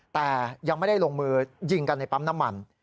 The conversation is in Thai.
แต่ยังไม่ได้ลงมือยิงกันในปั๊มน้ำมัน